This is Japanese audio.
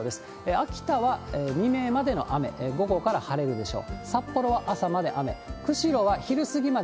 秋田は未明までの雨、午後から晴れるでしょう。